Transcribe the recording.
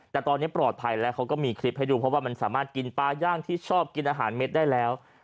แต่ตอนนี้ปลอดภัยแล้วเขาก็มีคลิปให้ดูเพราะว่ามันสามารถกินปลาย่างที่ชอบกินอาหารเม็ดได้แล้ว